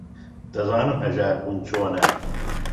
دەزانم ھەژار بوون چۆنە.